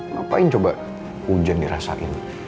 ngapain coba hujan dirasain